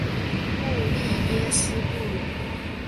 布利耶斯布吕。